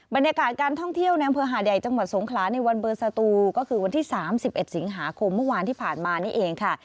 บรรยากาศการท่องเที่ยวในอำเภอหาดใหญ่จังหวัดสงขลาในวันเบอร์สตูก็คือวันที่๓๑สิงหาคมเมื่อวานที่ผ่านมานี่เองค่ะ